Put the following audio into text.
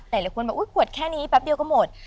หลายคนบอกอุ๊ยกวดแค่นี้แป๊บเดียวก็หมด